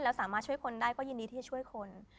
แล้วสามารถช่วยคนได้ก็ยินดีที่จะช่วยคน